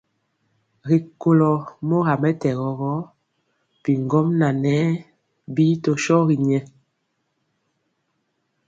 Rikólo mora mɛtɛgɔ gɔ, bigɔmŋa ŋɛɛ bi tɔ shogi ŋɛɛ.